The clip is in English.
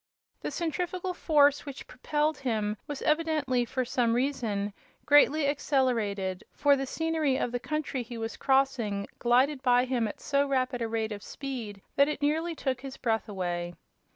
The centrifugal force which propelled him was evidently, for some reason, greatly accelerated, for the scenery of the country he was crossing glided by him at so rapid a rate of speed that it nearly took his breath away.